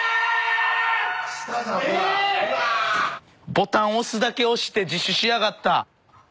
ボタン押すだけ押して自首しやがった。